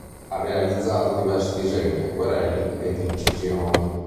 Ha realizzato diversi disegni, acquerelli ed incisioni.